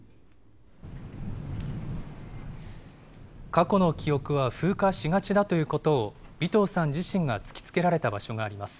過去の記憶は風化しがちだということを、尾藤さん自身が突きつけられた場所があります。